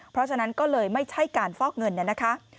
เพราะฉะนั้นก็เลยไม่ใช่การฟอกเงินนะคะ